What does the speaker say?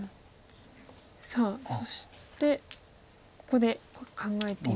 さあそしてここで考えています。